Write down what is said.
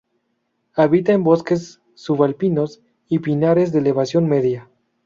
Habita en bosques subalpinos y pinares de elevación media.